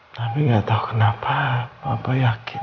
tapi gak tau kenapa bapak yakin